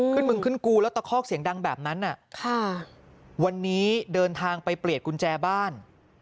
มึงขึ้นกูแล้วตะคอกเสียงดังแบบนั้นวันนี้เดินทางไปเปลี่ยนกุญแจบ้าน